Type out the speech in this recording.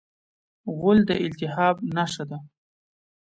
غول د التهاب نښه ده.